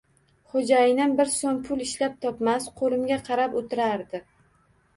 Xo`jayinim bir so`m pul ishlab topmas, qo`limga qarab o`tirardi